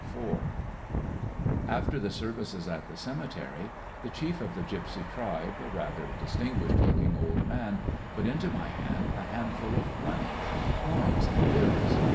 Aregenera After the services at the cemetery, the chief of the gypsy tribe, a rather distinguished look ing old man, put into my hand a handful of money— coins and bills.